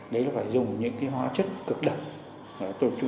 đấy là phải dùng những hóa chất cực độc